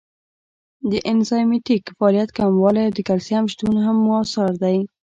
د انزایمټیک فعالیت کموالی او د کلسیم شتون هم مؤثر دی.